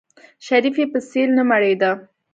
شريف يې په سيل نه مړېده.